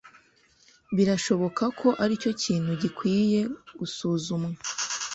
Birashoboka ko aricyo kintu gikwiye gusuzumwa.